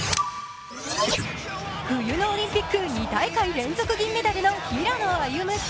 冬のオリンピック２大会連続銀メダルの平野歩夢。